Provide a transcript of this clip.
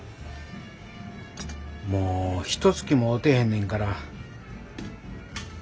もうひとつきも会うてへんねんから。